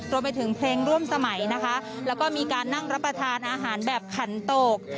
รวมไปถึงเพลงร่วมสมัยนะคะแล้วก็มีการนั่งรับประทานอาหารแบบขันโตก